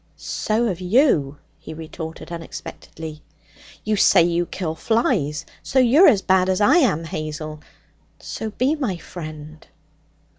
'So have you!' he retorted unexpectedly. 'You say you kill flies, so you're as bad as I am, Hazel. So be my friend.'